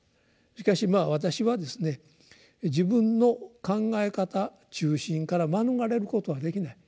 しかしまあ私はですね自分の考え方中心から免れることはできない。